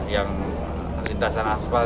yang lintasan asfal